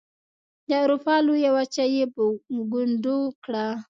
د اروپا لویه وچه یې په ګونډو کړه.